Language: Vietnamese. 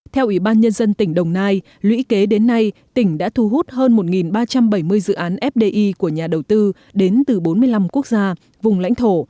theo ủy ban nhân dân tỉnh đồng nai lũy kế đến nay tỉnh đã thu hút hơn một ba trăm bảy mươi dự án fdi của nhà đầu tư đến từ bốn mươi năm quốc gia vùng lãnh thổ